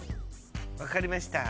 分かりました。